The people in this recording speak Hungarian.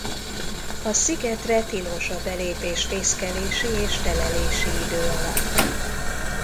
A szigetre tilos a belépés fészkelési és telelési idő alatt.